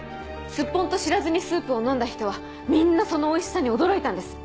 スッポンと知らずにスープを飲んだ人はみんなそのおいしさに驚いたんです。